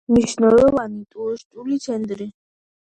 მნიშვნელოვანი ტურისტული ცენტრი.